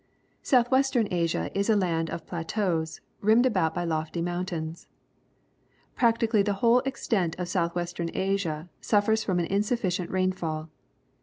South western Asia is a land of plateaus, rimmed about by lofty mountains. Practically the whole extent of South western Asia suffers from an insufficient rainfall.